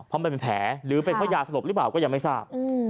เพราะมันเป็นแผลหรือเป็นเพราะยาสลบหรือเปล่าก็ยังไม่ทราบ